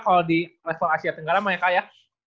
kalau di level asia tenggara mah ya kak ya